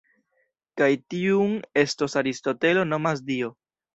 Kaj tiun eston Aristotelo nomas Dio.